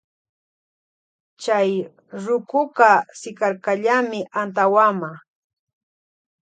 Chay rukuka sikarkallami antawama.